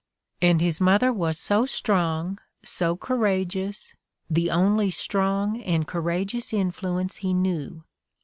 And his mother was so strong, so cour ageous, the only strong and courageous influence he knew.